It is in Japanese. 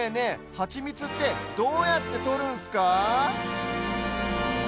ハチミツってどうやってとるんすか？